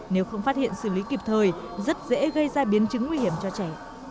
nếu không phát hiện xử lý kịp thời rất dễ gây ra biến chứng nguy hiểm cho trẻ